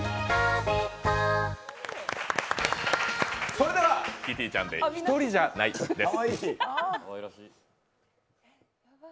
それではキティちゃんで、「ひとりじゃない」です。